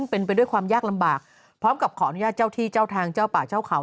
พร้อมกับขออนุญาตเจ้าที่เจ้าทางเจ้าป่าเจ้าเขา